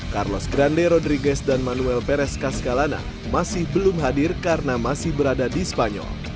carlos grande rodrigus dan manuel perez cascalana masih belum hadir karena masih berada di spanyol